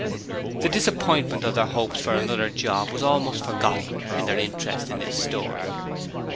The disappointment of their hopes for another job was almost forgotten in their interest in this story.